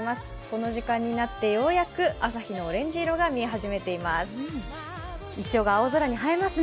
この時間になってようやく朝日のオレンジ色が見え始めています。